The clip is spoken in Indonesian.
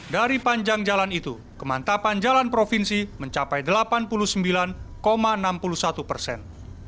dari panjang jalan itu kemantapan jalan provinsi mencapai delapan puluh sembilan enam puluh satu persen